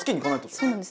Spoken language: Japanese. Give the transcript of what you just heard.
そうなんです。